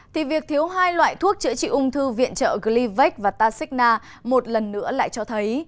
thì việc thiếu hai loại thuốc chữa trị ung thư viện trợ glyvac và tasina một lần nữa lại cho thấy